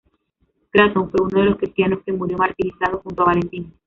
Cratón fue uno de los cristianos que murió martirizado junto a Valentín.